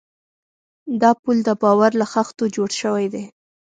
دا پُل د باور له خښتو جوړ شوی دی.